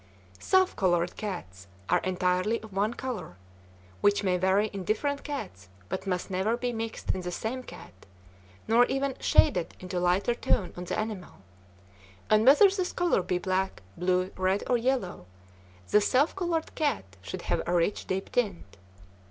"Self colored cats" are entirely of one color, which may vary in different cats, but must never be mixed in the same cat, nor even shaded into a lighter tone on the animal; and whether this color be black, blue, red, or yellow, the self colored cat should have a rich deep tint.